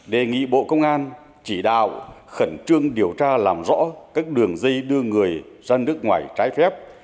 đề nghị bộ công an chỉ đạo khẩn trương điều tra làm rõ các đường dây đưa người ra nước ngoài trái phép